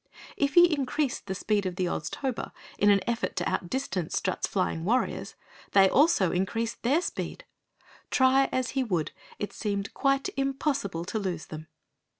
If he increased the speed of the Oztober in an effort to outdistance Strut's flying warriors, they also increased their speed. Try as he would it seemed quite impossible to lose them.